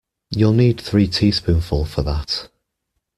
You'll need three teaspoonsful for that.